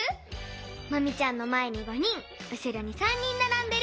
マミちゃんのまえに５人うしろに３人ならんでる。